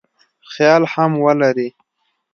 خیال هم ولري.